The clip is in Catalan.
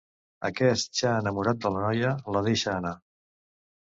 Aquest ja enamorat de la noia, la deixa anar.